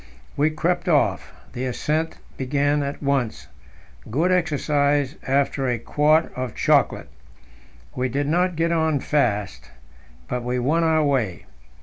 We crept off: The ascent began at once good exercise after a quart of chocolate. We did not get on fast, but we won our way.